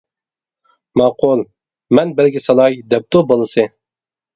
-ماقۇل، مەن بەلگە سالاي، -دەپتۇ بالىسى.